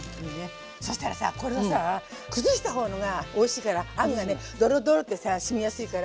そしたらさこれをさ崩したほうがおいしいからあんがねドロドロってさしみやすいから。